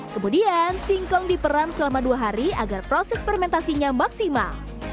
kemudian singkong diperam selama dua hari agar proses fermentasinya maksimal